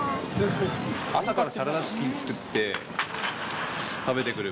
朝からサラダチキン作って、食べてくる